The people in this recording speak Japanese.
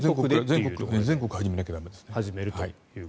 全国始めなきゃ駄目ですね。